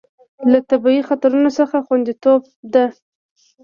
له طبیعي خطرونو څخه خوندیتوب ده.